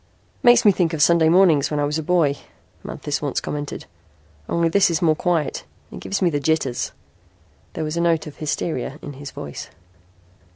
"Makes me think of Sunday mornings when I was a boy," Manthis once commented. "Only this is more quiet. It gives me the jitters." There was a note of hysteria in his voice.